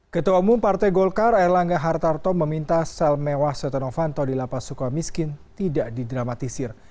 ketua umum partai golkar air langga hartarto meminta sel mewah setia novanto di lapas suka miskin tidak didramatisir